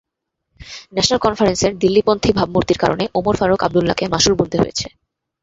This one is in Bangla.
ন্যাশনাল কনফারেন্সের দিল্লিপন্থী ভাবমূর্তির কারণে ওমর ফারুক আবদুল্লাহকে মাশুল গুনতে হয়েছে।